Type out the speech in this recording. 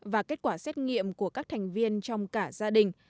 và kết quả xét nghiệm của các thành viên trong cả gia đình